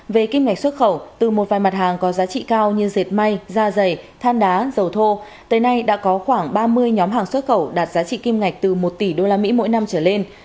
về kim ngạch xuất khẩu từ một vài mặt hàng có giá trị cao như dệt may da dày than đá dầu thô tới nay đã có khoảng ba mươi nhóm hàng xuất khẩu đạt giá trị kim ngạch từ một tỷ usd mỗi năm trở lên